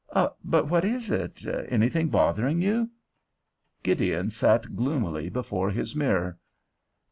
"But what is it—anything bothering you?" Gideon sat gloomily before his mirror.